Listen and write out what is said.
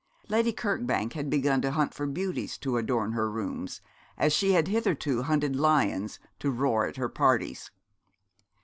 Lady Kirkbank began to hunt for beauties to adorn her rooms, as she had hitherto hunted lions to roar at her parties.